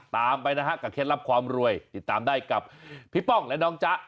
ตามไปกับเคลียร์รับความรวยติดตามได้กับพี่ป้องและน้องจ๊ะ